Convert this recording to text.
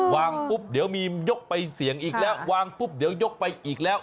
วางปุ๊บเดี๋ยวมียกไปเสี่ยงอีกแล้ววางปุ๊บเดี๋ยวยกไปอีกแล้ว